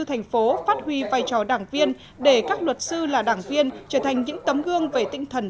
thành phố phát huy vai trò đảng viên để các luật sư là đảng viên trở thành những tấm gương về tinh thần